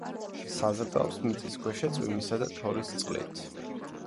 საზრდოობს მიწისქვეშა, წვიმისა და თოვლის წყლით.